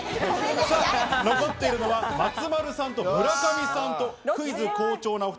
残っているのは、松丸さんと村上さん。